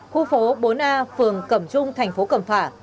khu phố bốn a phường cẩm trung thành phố cẩm phả